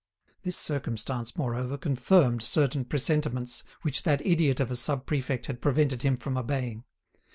This circumstance, moreover, confirmed certain presentiments which that idiot of a sub prefect had prevented him from obeying.